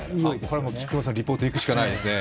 これはもう菊間さんリポート行くしかないですね。